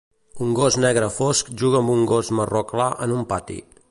Un gos negre fosc juga amb un gos marró clar en un pati.